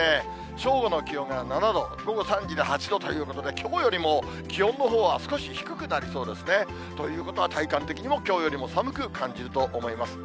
正午の気温が７度、午後３時で８度ということで、きょうよりも気温のほうは少し低くなりそうですね。ということは体感的にはきょうよりも寒く感じると思います。